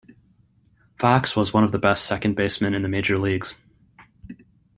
Fox was one of the best second basemen in the major leagues.